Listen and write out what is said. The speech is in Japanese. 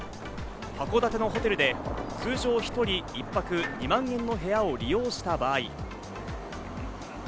函館のホテルで通常１人１泊２万円の部屋を利用した場合。